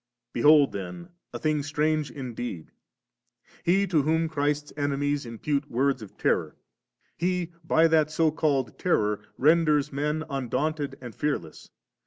Be hold then a thing strange indeed! He to whom Christ's enemies impute words of terror, He by that so called ♦ terror renders men un daunted and fearless.